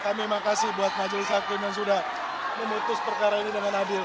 kami makasih buat majelis hakim yang sudah memutus perkara ini dengan adil